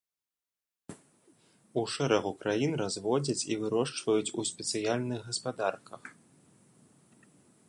У шэрагу краін разводзяць і вырошчваюць у спецыяльных гаспадарках.